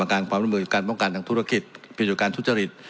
การความร่วมมือการป้องกันทางธุรกิจผิดจากการทุจริต